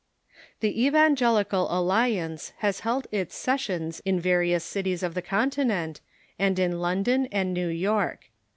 THE EVANGELICAL ALLIANCE 403 The Evangelical Alliance has held its sessions in various cities of the Continent, and in London and New York.